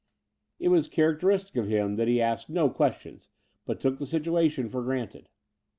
It was characteristic of him that he asked no questions, but took the situation for granted.